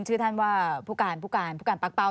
คุ้นชื่อท่านว่าผู้การปากเป๋า